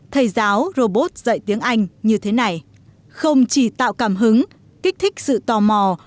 thầy giáo robot dạy tiếng anh như thế này không chỉ tạo cảm hứng kích thích sự tò mò